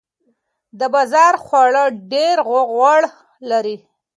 د بازار خواړه ډیر غوړ لري.